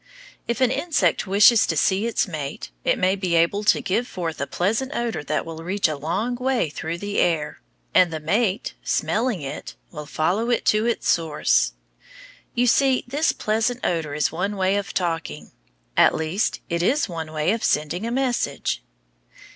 If an insect wishes to see its mate, it may be able to give forth a pleasant odor that will reach a long way through the air, and the mate, smelling it, will follow it to its source. You see, this pleasant odor is one way of talking; at least it is one way of sending a message.